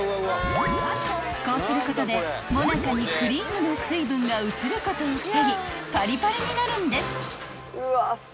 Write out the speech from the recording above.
［こうすることでモナカにクリームの水分が移ることを防ぎパリパリになるんです］